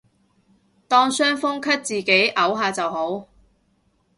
當傷風咳自己漚下就好